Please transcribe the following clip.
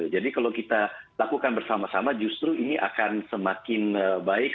jadi kalau kita lakukan bersama sama justru ini akan semakin baik